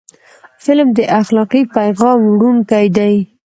فلم د اخلاقي پیغام وړونکی دی